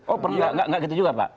oh nggak gitu juga pak